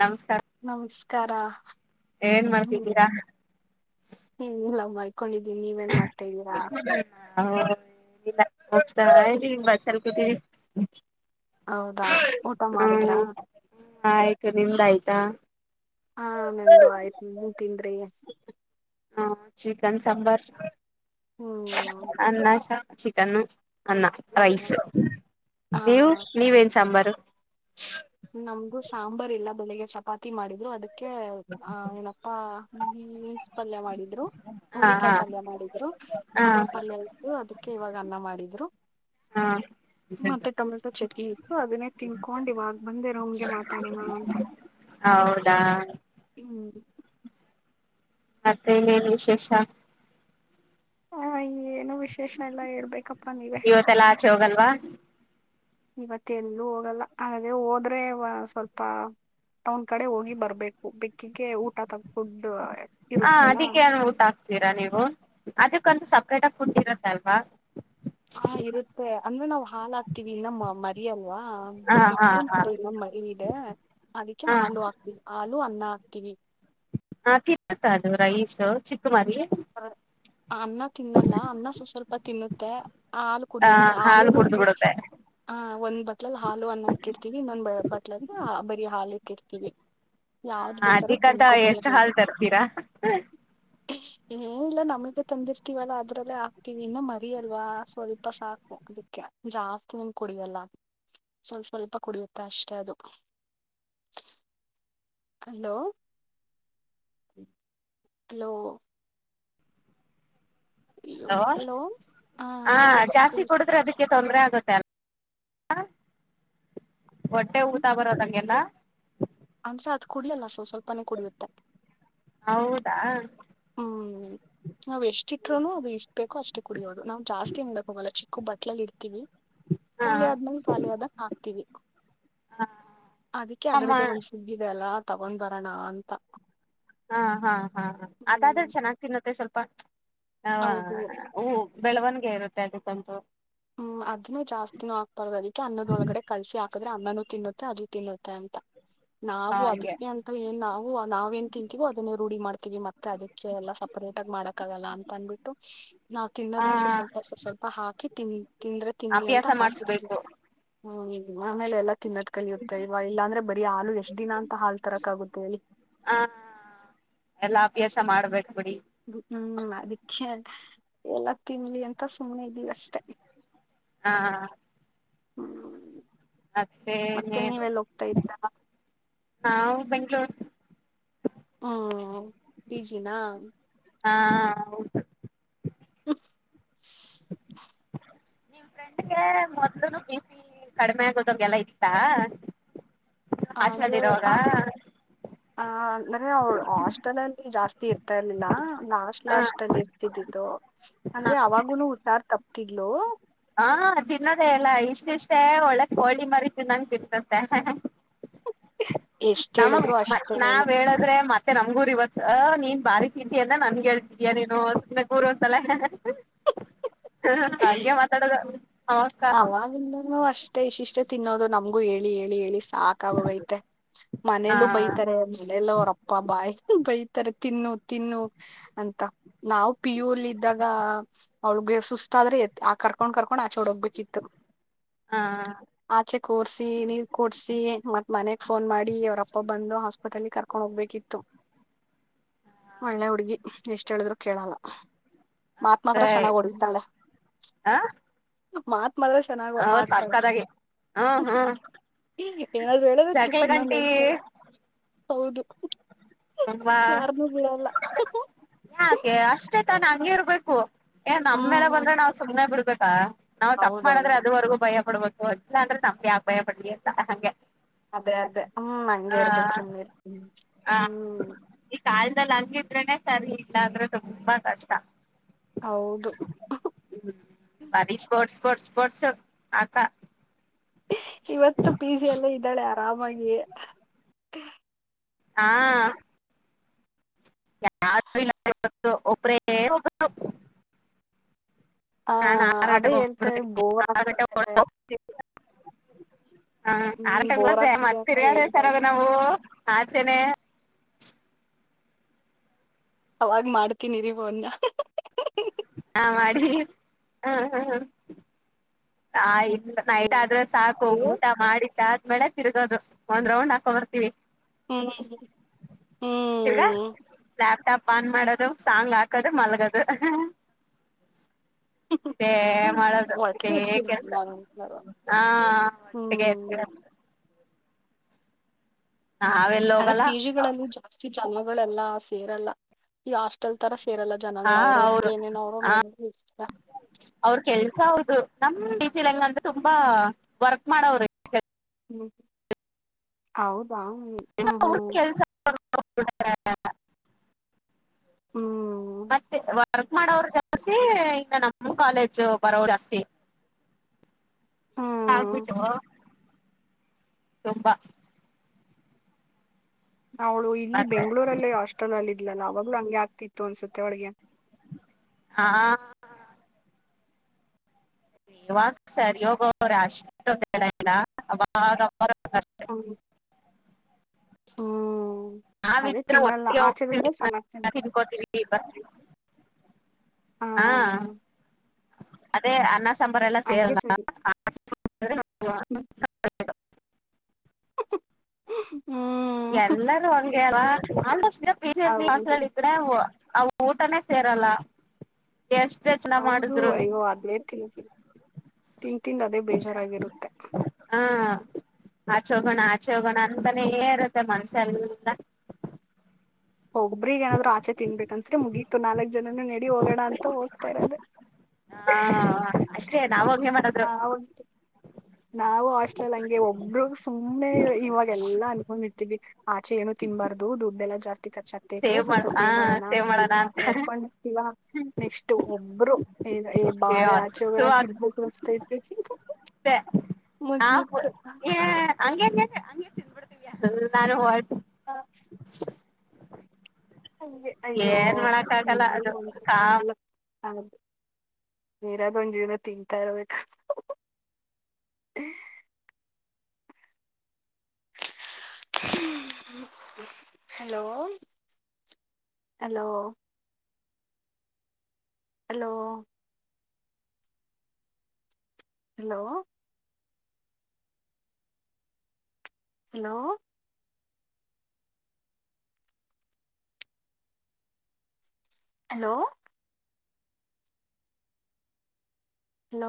ನಮಸ್ಕಾರ ನಮಸ್ಕಾರ ಏನ್ ಹ್ಮ್ ಮಾಡ್ತಿದ್ದೀರಾ ಇಲ್ಲ ಕಕೊಂಡಿದ್ದೀ ನೀವೇಏನ್ ಮಾಡ್ತಾ ಇದ್ದೀರಾ ಹಲ್ಲ ಹೋಗ್ತ ಬಸ್ಲ್ ಕ ಹೌದಾ ಊಟ ಮಾಡಿದ್ರಾ ಹಾ ಆಯ್ತು ನಿಮ್ದ ಆಯ್ತಾ ಹಾ ನಂದುು ಆಯ್ತು ನೀ ತಿಂದ್ರಿ ಹ್ಮ ಚಿಕನ್ ಸಾಂಬಾರ್ ಹ್ಮ್ ಅ ಚಿಕನ್ನು ಅನ್ನ ಆ ರೈಸ್ ಆ, ನೀವು ನೀವೇನ್ ಸಾಂಬಾರು ಹ ನಮ್ದು ಸಾಂಬಾರ್ ಇಲ್ಲ ಬೆಳಿಗ್ಗೆ ಚಪಾತಿ ಮಾಡಿದ್ರು ಅದಕ್ಕೆ ಅೆ ಆ ಏನಪ್ಪಾನ್ಸ್ ಪಲ್ಯ ಮಾಡಿದ್ರು ಹಾ ಹುಳಿಕಾಯಿ ಪಲ್ಯ ಹಾ ಮಾಡಿದ್ರು ಹಾ ಅದೇ ಪಲ್ಯ ಇ್ದು ಅದ ಇವಾಗ ಅನ್ನ ಮಾಡಿದ್ರು ಹಾ ಮತ್ತೆ ಟೊಮೆಟೊ ಚಟ್ಕಿ ಇತ್ತು ಅದೇ ತಿನ್ಕೊಂಡ ಇವಾಗ ಬಂದೆ ರೋಮ್ಗೆ ಮಾತಾಡೋಣಾನ ಅಂತ ಹೌದಾ ಹ್ಮ್ ಹ ಮತ್ತೆನೇನ್ ವಿಶೇಷ ಹ ಏನು ವಿಶೇಷ ಎಲ್ಲ ಹೇಳ್ಬೇಕಪ್ಪಾ ನೀವೇ ಇವತ್ತೆಲ್ಲ ಆಚೆ ಹೋಗಲ್ವಾ ಇವತ್ತ ಎಲ್ಲೂ ಹೋಗಲ್ಲ ಹಾಗೆ ಹೋದ್ರೆ ಸ್ವಲ್ಪ ಟೌನ್ ಕಡೆ ಹೋಗಿ ಬರ್ಬೇಕು ಬೆಕ್ಕಿಗೆ ಊಟ ತಗಫುಡ್ ಹಾ ಅದಕ್ಕ ಏನ್ ಊಟ ಆಾಕ್ತೀರಾ ನೀವು ಅದಕ್ಕಂತ ಸಪ್ರೇಟ್ ಆಗ ಫುಡ್ ಇರತ್ತಲ್ವಾ ಹಾ ಇರುತ್ತೆ ಅಂದ್ರೆ ನಾವ್ ಹಾಲ್ ಹಾಕ್ತೀವಿ ಇನ್ನ ಮರಿಯಲ್ಲ ಹಾ ಹಾ ಬೆಕ್ಕೊಂಡ ಇ ಹಾ ಮ ಇ ಅದಕ್ಕೆ ಹಲ ಹಾಕ್ತವಿ ಆ ದು ಅನ್ನ ಹಾಕ್ತೀವಿ ಹಾ ತಿನ್ನುತ್ತ ಅದು ರೈಸ್ ಚಿಕ್ಕ ಮರಿ ಹ [unintelligible] ಅನ್ನ ತಿನ್ನಲ್ಲ ಅನ್ನ ಸ್ ಸ್ವಲ್ಪ ತಿನ್ನುತ್ತೆ ಹಾಲು ಹ ಕುಡಿಯುತ್ತೆ ಹಾಲು ಕುಡ್ದು ಬಿಡುತ್ತೆ ಹ ಒಂದ್ ಬಟ್ಲಲ್ ಹಾ ಅನ್ನ ಇಟ್ಟಿರ್ತೀವಿ ಇನ್ನೊಂದ್ ಬಟ್ಲ ಅ ಬರಿೀ ಹಾಲು ಇ ಕೆಡ್ತೀನಿ [unintelligible] ಹ ಅದಕ್ಕಂತ ಎಷ್ಟ ಹಾಲ್ ತರ್ತೀರಾ ಏನಿಲ್ಲ ನಮಗೆ ತಂದಿರ್ತೀವಲ್ಲ ಅದ್ರಲ್ಲೇ ಆಗ್ತೀವಿ ಇನ್ನು ಮರಿ ಅಲ್ವಾ ಸ್ವಲ್ಪ ಸಾಕು ಇದಕ್ಕೆ ಜಾಸ್ತಿ ಏನು ಕುಡಿಯಲ್ಲ ಸ್ವಲ್ಪ ಸ್ವಲ್ಪ ಕುಡಿಯುತ್ತೆ ಅಷ್ಟೆ ಅದು ಹ [unintelligible] ಹಲೋ ಹಲೋ ಹಲೋ ಹಾ ಹ ಜಾಸ್ತಿ ಕುಡಿದ್ರೆ ಕೇಳಿಸ್ತಿದೆ ಅದಕ್ಕೆ ತೊಂದ್ರ ಆಗುತ್ತೆ ಅ ಹೊಟ್ಟೆ ಊತಾ ಬರೋದಂಗೆಲ್ಲ ಹಂಸ ಅದು ಕುಡಿಯಲ್ಲ ಸ್ವಲ್ಪ ಸ್ವಲ್ಪನೇ ಕುಡಿಯುತ್ತೆ ಹೌದ ಹ್ಮ್ ನಾವ್ ಎಷ್ಟ ಇಟ್ರುೂನು ಅದು ಇಷ್ಟು ಬೇಕೋ ಅಷ್ಟೇ ಕುಡಿಯೋದು ನಾವು ಜಾಸ್ತಿ ಹಾಕೋಕುವೆ ಆಗಲ್ಲ ಚಿಕ್ಕ ಬಟ್ಲು ಇಡ್ತೀವಿ ಇರ್ತೀವಿ ಹಾ ಖಾಲಿ ಆದ್ಮೇಲೆ ಖಾಲಿ ಆದಾಗ ಹಾಕ್ತಿವಿ ಹಾ ಅದಕ್ಕೆ ಅದ್ರದ್ದೇ ಒಂದಸ ಶಿಗ್ ಇದಿಯಲ್ಲ ತಗೊಂಡ್ ಬರೋಣ ಅಂತ ಹಾ ಹಾ ಹಾ ಹ ಅದಾದ್ರ ಹ್ಮ್ ಚೆನ್ನಾಗ್ ತಿನ್ನುತೆ ಸ್ವಲ್ಪ ಹ ಹೌದು ಹೂ ಬೆಳವಣಿಗೆ ಇರುತ್ತೆ ಅದಕ್ಕೊಂತೂ ಹ್ಮ್ ಅದನ್ನೂ ಜಾಸ್ತಿನೂ ಹಾಕಬಾರದು ಅದಿಕ್ಕೆ ಅನ್ನದೊಳಗಡೆ ಕಲ್ಸಿ ಹಾಕದ್ರೆ ಅನ್ನನನು ತಿನ್ನುತ್ತೆ ಅದು ತಿನ್ನುತ್ತಾ ಅಂತ ನಾವು ಹ ಹಂಗೆ ಅದಕ್ಕೆ ಅಂತ ಏನ್ ನಾವು ನಾವೇನ್ ತಿಂತೀವೋ ಅದನ್ನೇ ರೂಢಿ ಮಾಡ್ತಿವಿ ಮತ್ತೆ ಅದಕ್ಕೆ ಎಲ್ಲ ಸಪರೇಟ್ ಆಗಿ ಮಾಡಕ್ಕೆಆಗಲ್ಲಅಂತ ಅಂದ್ಬಿಟ್ಟು ನಾ ಆ ತಿನ್ನದ್ನ ಸ್ವಲ್ಪ ಸ್ವಲ್ಪ ಹಾಕಿ ತಿ ತಿಂದ್ರೆ ತಿನ್ಲಿ ಅಂತ ಅಭ್ಯಾಸ ಹಾಕಿರ್ತವಿ ಮಾಡಸ್ಬೇಕು ಹ್ಮ ಆಮೇಲೆ ಎಲ್ಲಾ ತಿನ್ನದ್ ಕಲಿಯುತ್ತೆ ಇವ ಇಲ್ಲಾಂದ್ರೆ ಬರೀ ಹಾಲು ಎಷ್ಟ್ ದಿನ ಅಂತ ಹಾಲ್ ತರಕ್ ಆಗುತ್ತೆ ಹೇಳಿ ಹ ಎಲ್ಲಾ ಅಭ್ಯಾಸ ಮಾಡ್ಬೇಕು ಬಿಡಿ ಹ್ಮ್ ಅದಕ್ಕೆ ಎಲ್ಲ ತಿನ್ಲಿ ಅಂತ ಸುಮ್ನೆ ಇದಿಲ್ಲ ಅಷ್ಟೆ ಹಾ ಹಾ ಹ್ಮ್ ಮತ್ತೆ ಅದೇನೆ ನೀವೆಲ್ಲಿ ಹೋಗ್ತಾ ಇದ್ರ ನಾವು ಬೆಂಗ್ಳೂರ್ ಹ್ಮ ಪಿಜಿನ ಹಾ ಹೌದು ಹ್ಮ [inaudible] ನಿಮ್ ಫ್ರೆಂಡ್ಗೆ ಮೊದ್ಲುನು ಬಿಪಿ ಕಡಿಮೆ ಆಗೋದು ಹಂಗೆಲ್ಲಾ ಇತ್ತಾ ಹಾಸ್ಟೆಲ್ ಅಂದ್ರೆ ಅಲ್ಲಿ ಇರುವಾಗ ಆ ಆ ಅಂದ್ರೆ ಅವಳ ಹಾಸ್ಟೆಲ್ ಅಲ್ಲಿ ಜಾಸ್ತಿ ಇರ್ತಾ ಇರ್ಲಿಲ್ಲ ಲಾಸ್ಟ್ ಹ ಲಾಸ್ಟ್ ಅಲ್ಲಿ ಇರ್ತಿದಿ ಹ ಅಂದ್ರೆ ಅವಾಗೂನು ಹುಷಾರ್ ತಪ್ತಿದ್ಲು ಹಾ ತಿನ್ನದೇ ಇಲ್ಲ ಇಷ್ಟನಿಷ್ಟೇ ಒಳ್ಳೆ ಕೋಳಿ ಮರಿ ತಿನ್ನಂಗ ತಿನ್ನುತೆ [unintelligible] ಹೇಳಿದ್ರು ನಮಗ್ ಅಷ್ಟೇನೆ ನಾವ್ ಹೇಳದ್ರೆ ಮತ್ ಮತ್ತೆ ನಮ್ಗೂ ರೆವೆರ್ಸ್ ಅ ನೀನ್ ಬಾರಿ ತಿನ್ನೋದು ನನ್ಗೆ ಹೇಳ್ತಿಯ ನೀನು ಅಂತ ಹೇಳ್ತಾಳೆ ಹ ಹಾಗೆ ಮಾತಾಡೋದು ಅವಕ್ಕ ಅವವಾಗಿಂದ ಅಷ್ಟೇ ಇಸ್ಟ್ ಇಷ್ಟೇ ತಿನ್ನೋದು ನಮ್ಗೂ ಹೇಳಿ ಹೇಳಿ ಹೇಳಿ ಸಾಕಾಗೋಗೈತೆ ಹ ಮನೆಯಲ್ಲೂ ಬೈತಾರೆ ಮನೇಲ್ಲ ಅವ್ರಪ್ಪ ಬಾಯಿ ಬೈ ತಾರೇ ತಿನ್ನು ತಿನ್ನು ಅಂತ ನಾವು ಪಿ ಯು ಅಲ್ಲಿ ಇದ್ದಾಗ ಅವಳಗೆ ಸುಸ್ತ್ ಆದ್ರೆ ಆ ಕರ್ಕೊಂಡ್ ಕರ್ಕೊಂಡ್ ಆ ಆಚೆ ಹೋಗ್ಬೇಕಿತ್ತು ಹ ಆಚೆ ಕೂರ್ಸಿ ನೀರ್ ಕೂಡ್ಸಿ ಮತ್ತ್ ಮನೆಗ್ ಫೋನ್ ಮಾಡಿ ಅವ್ರಪ್ಪ ಬಂದು ಹಾಸ್ಪಿಟಲ್ ಲ್ಲಿ ಕರ್ಕೊಂಡ್ ಹೋಗ್ಬೇಕಿತ್ತು ಒಳ್ಳೆ ಹುಡ್ಗಿ ಎಷ್ಟ ಹೇಳಿದ್ರು ಕೇಳಲ್ಲ ಮಾತು ಮಾತ್ರ ಮತ್ತೆ ಚೆನ್ನಾಗ್ ಹೊಡಿತಾಳೆ ಹ ಮಾತು ಮಾತು ಮಾತ್ರ ಚೆನ್ನಾಗಿ ಹ ಆಡ್ತಳೆ ಸಕ್ಕತ್ತಾಗಿ ಹ್ಮ್ ಹ್ಮ್ ಹ್ಮ ಏನಾದ್ರು ಹೇಳಿದ್ರೆ ಜಗಳ ತಿರುಗಿಸಿ ಇನ್ನೊಂದು ಗಂಟಿ ಹೇಳ್ತಾಳೆ ಹೌದು ಯಾರನ್ನೂ ಬಿಡಲ್ಲ ಯಾಕೆ ಅಷ್ಟೇ ಹಂಗೆ ಇರ್ಬೇಕು ಏ ನಮ್ಮಲೆ ಹ್ಮ್ ಬಂದ್ರೆ ನಾವ್ ಸುಮ್ನೆ ಬಿಡ್ಬೇಕಾ ನಾವ್ ತಪ್ಪು ಮಾಡಿದ್ರೆ ಹೌದೌದು ಅದುವರೆಗೂ ಭಯ ಪಡ್ಬೇಕು ಅದಲ್ಲ ಅಂದ್ರೆ ತಮಗೆ ಯಾಕ ಭಯ ಪಡ್ಲಿ ಅಂತ ಹಂಗೆ ಅದೇ ಅದೇ ಹ್ಮ್ ಹಂಗಗೆ ಆ ಇರ್ಬೇಕು ಸುಮ್ನೆ ಹ್ಮ್ ಹ್ಮ್ ಹಂಗಿದ್ರೆನೆ ಸರಿ ಇಲ್ಲ ಅಂದ್ರೆ ತುಂಬಾ ಕಷ್ಟ ಹೌದು ಬರಿ ಸ್ಪೋಟ್ ಸ್ಪೋರ್ಟ್ಸ್ ಸ್ಪೋರ್ಟ್ಸ್ ಆಟ ಇವತ್ತು ಪಿ ಜಿ ಎಲ್ಲ ಇದ್ದಾಳೆ ಆರಾಮಾಗಿ ಹಾ ಯ ಯ ಇ ಒಬರೇ ಆ ನಾನನ್ ಆರು ಅದೇ ಗಂಟೆಗೆ ಹೇಳ್ತಾ ಹೋಗ್ಡ್ತನಿ ಬೋರ್ ಆರು ಆಗ್ತಿದೆ ಗಂಟೆಗೆ ಹಾ ಹ್ಮ್ ಆರಟ ಬೋರ್ ಗೋದೆ ಆಗ್ತಿದೆ ಮತ್ತ ಅಂತ ತಿರ್ಗಾದ ಹೇಳಿದ ಸರಾಗ ನಾವು ಆಚೆನೆ ಅವಾಗ್ ಮಾಡ್ತೀನಿರಿವ ಅನ್ನ ಹಾ ಹಾ ಹ ಆಯ್ತ ನೈಟ್ ಹ್ಮ್ ಆದ್ರೆ ಸಾಕು ಅಯ್ಯೋ ಊಟ ಮಾಡಟ್ಟ ಆದ್ಮೇಲೆ ತಿರ್ಗೋದು ಒಂದ್ ರೌಂಡ್ ಹಾಕೊ ಬರ್ತೀವಿ ಹ್ಮ ಹ್ಮ ತಿರ್ಗಾ ಲ್ಯಾಪ್ಟಾಪ್ ಆನ್ ಮಾಡದು ಸಾಂಗ್ ಹಾಕದು ಮಲ್ಗದು ಮತ್ತೇ ಹ್ಮ್ ಮಾಡದು ಒಟ್ಟಿಗೆ ಹ ಇರ್ತೀನಿ ಕೆಲ್ಸ ನಾವೆಲ್ಲರೂ ಹಾ ಹ್ಮ್ ಒಟ್ಟಿಗೆತ ನಾವೆಲ್ಲ ಅಂದೆ ಹೋಗಲ್ಲ ಪಿ ಜಿ ಗಳಲ್ಲಿ ಜಾಸ್ತಿ ಜನ್ಮಗಳೆಲ್ಲ ಸೇರಲ್ಲ ಈಗ ಹಾಸ್ಟೆಲ್ ತರ ಕೇರಳ ಹಾ ಜನಗಳು ಅವ್ರ ಅವರು ಅವ್ರಿಗೆ ಏನೇನು ಅವ್ರ ಹ ನೋ ಇಷ್ಟ ಅವ್ರ ಕೆಲ್ಸ ಹೌದು ನಮ್ ಟೀಚಿಲ್ ಹೆಂಗಂದ್ರೆ ತುಂಬಾ ವರ್ಕ್ ಮಾಡೋ್ರರು ಹ್ಮ್ ಹೌದಾ ಹ್ಮ್ ಅವ್ರ ಹ್ಮ್ ಕೆಲ್ಸ ಹ್ಮ್ ಮತ್ತೆ ವಕ್ ಮಾಡ ಹಸಿ ಇಗ ನಮ್ಮ ಕಾಲೇಜ್ ಬರೋರು ಹಸತಿ ಹ್ಮ್ ಆಗ್ಬಿಟ್ಟ ತುಂಬಾ ಅವಾಳು ಇಲ್ಲಿ ಮತ್ತೆ ಬೆಂಗ್ಗಳೂರಲ್ಲಿ ಹಾಸ್ಟೆಲ್ ಅಲ್ಲಿ ಇದ್ಲಲ್ಲ ಅವಾಗ್ಲುೂ ಹಂಗೆ ಆಗ್ತಿತ್ತು ಅನ್ಸುತ್ತೆ ಅವಳಿಗೆ ಹಾ ಇವಾಗ ಸರಿ ಹೋಗವ್ರೆ ಅಷ್ಟ ಇಲ್ಲ ಹಮ್ ಹ್ಮ ನಾವ ಒಟ್ಟೋಗ ಚೆನ್ನಾಗ್ ತಿಂತಾಳೆ. ತಿನ್ಕತವಿವಿ ಹಾ ಅದೇ ಅನ್ನ ಸಂಂಬರ ಎಲ್ಲ ಹಂಗೆ ಸೇರಲ್ಲ ಸರಿ ಹ್ಮ್ ಎಲ್ಲರೂ ಹಗೆ ಅಲ್ಲ ಹೌದು ಆಟ್ ಅವ ಊಟನೇ ಸೇರಲ್ಲ ಎಷ್ಟೇ ಚೆನ್ನ ಹೌದು ಮಾಡಿದ್ರು ಅಯ್ಯೋ ಅದಲೇ ಕೆ ತಿನ್ಂತಿಂದ್ ಅದೇ ಬೇಜಾರಾಗಿರುತ್ತೆ ಹಾ ಆಚೆ ಹೋಗೋಣ ಆಚೆ ಹೋಗೋಣ ಅಂತಾನೇ ಇರುತ್ತೆ ಮನ್ಸ್ಯ ಎಲ್ಲಲ್ಲ ಹ ಹೋಗಬ್ರಿಗ್ ಏನಾದ್ರು ಆಚೆ ತಿನ್ಬೇಕು ಅನ್ಸ್ರರಿ ಮುಗೀತು ನಾಲ್ಕಕ್ ಜನನುೂ ನೆಡಿ ಹೋಗೋಣ ಅಂತ ಹೋಗ್ತಾ ಇರೋದೆ ಹಾ ಅಷ್ಟೇ ನಾವೇ ಮಾಡದ್ರು ನಾವು ಆಸ್ಟ್ಲಲ್ ಹಂಗೆ ಒಬ್ಬರು ಸುಮ್ಮ್ನೆ ಇವಾಗ ಎಲ್ಲಾ ಅನ್ಕೊಂಡ್ ಇಟ್ಟೀವಿ ಆಚೆ ಏನು ತಿನ್ಬಾರು ದುಡ್್ದ ಎಲ್ಲ ಜಾಸ್ತಿ ರ್ತ್ತೈತೆ ಮಾಡ ಸ್ವಲ್ಪ ಹಾ ಸೇವ್ ಮಾಡೋಣ ಸೇವ್ ಅಂತ ಮಾಡೋಣ ಮಾತ್ರ ಇರ್ಕೊಂಡರ್ತೀವ ನೆಕ್ಸ್ಟ್ ಒಬ್ರು ಏ ಅಯ್ಯೋ ಬಾರೆಾರಿ ಆಚೆ ಹೋಗಣ ತಿನ್ಬೇಕುಳಿಸತೈತೆ ಹ ಹಂಗ ಹಂಗಗೆ ತಿಬಿಡ್ತ ನಾನು ಹ ಅ ಏನ್ ಮಾಡಕ್ ಆಗಲ್ಲ ಅದು ಕಾಮ ಅಯ್ಯೋಸಲ್ಲ ಹೌ ನೀರ ಬಂಜವನ ತಿನ್ಂತಾ ಇರಬೇಕು ಹ ಅ hello hello hello hello hello hello ನ